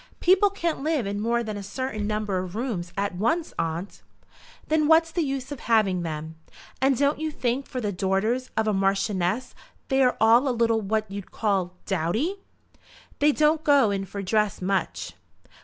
"People can't live in more than a certain number of rooms at once, aunt." "Then what's the use of having them? And don't you think for the daughters of a Marchioness they are a little what you'd call dowdy?" "They don't go in for dress much."